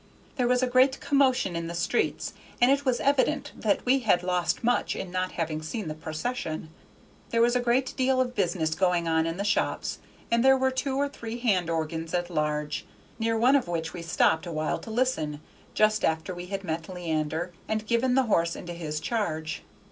There was a great commotion in the streets, and it was evident that we had lost much in not having seen the procession. There was a great deal of business going on in the shops, and there were two or three hand organs at large, near one of which we stopped awhile to listen, just after we had met Leander and given the horse into his charge.